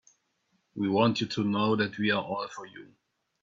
We want you to know that we're all for you.